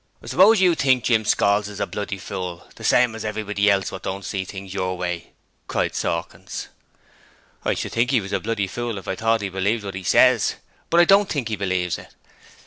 'I suppose you think Jim Scalds is a bloody fool, the same as everybody else what don't see things YOUR way?' said Sawkins. 'I should think he was a fool if I thought he believed what he says. But I don't think he believes it.